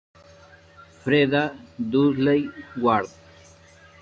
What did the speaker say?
Freda Dudley Ward".